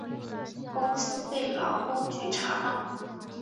公司被劳工局查到